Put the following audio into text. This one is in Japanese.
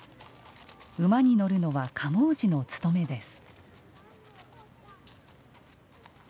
馬に乗るのは賀茂氏の務めです。